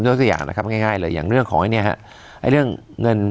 ตัวอย่างนะครับง่ายเลยอย่างเรื่องของไอ้เนี่ยฮะไอ้เรื่องเงิน